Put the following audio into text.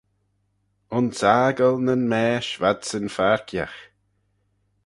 Ayns aggle nyn maaish v'adsyn farkiagh.